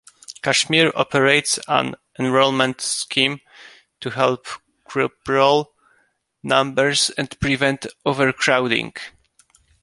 Cashmere operates an enrolment scheme to help curb roll numbers and prevent overcrowding.